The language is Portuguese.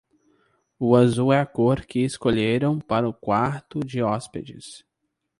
O azul é a cor que escolheram para o quarto de hóspedes.